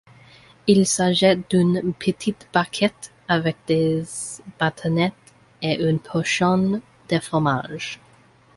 Il s'agit d'une petite barquette avec des bâtonnets et une portion de fromage.